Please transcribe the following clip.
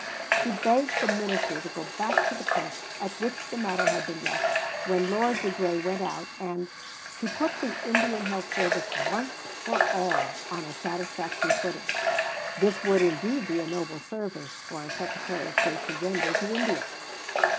She begged the minister to go back to the point at which the matter had been left when Lord de Grey went out, and "to put the Indian Health Service once for all on a satisfactory footing. This would indeed be a noble service for a Secretary of State to render to India."